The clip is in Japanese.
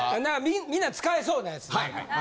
みんな使えそうなやつ何か。